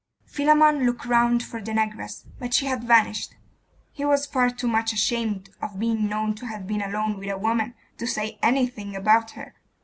Philammon looked round for the negress, but she had vanished. He was far too much ashamed of being known to have been alone with a woman to say anything about her.